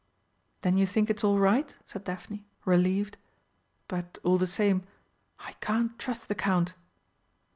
"Then you think it's all right?" said Daphne, relieved. "But all the same, I can't trust the Count."